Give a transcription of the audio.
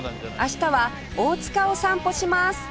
明日は大塚を散歩します